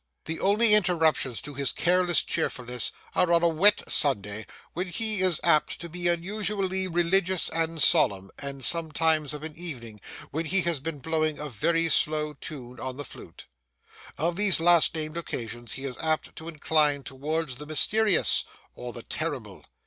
The only interruptions to his careless cheerfulness are on a wet Sunday, when he is apt to be unusually religious and solemn, and sometimes of an evening, when he has been blowing a very slow tune on the flute. On these last named occasions he is apt to incline towards the mysterious, or the terrible.